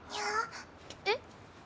えっ？